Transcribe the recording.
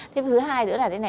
thế thứ hai nữa là